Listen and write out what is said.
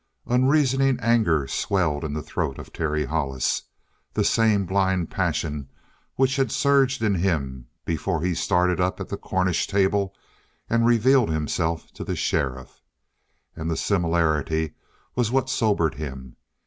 Unreasoning anger swelled in the throat of Terry Hollis; the same blind passion which had surged in him before he started up at the Cornish table and revealed himself to the sheriff. And the similarity was what sobered him.